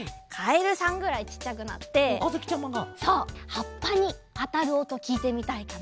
はっぱにあたるおときいてみたいかな。